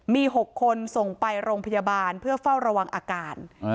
มี๖คนส่งไปโรงพยาบาลเพื่อเฝ้าระวังอาการ